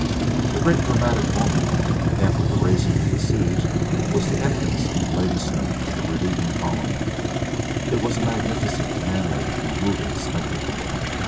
The great dramatic moment after the raising of the siege was the entrance into Ladysmith of the relieving column. It was a magnificent, manly, and moving spectacle.